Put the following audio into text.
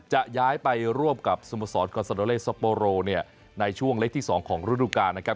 จะย้ายไปร่วมกับสมสรรค์คอนซาโดเลสโซโปโรในช่วงเลขที่๒ของฤดูกานะครับ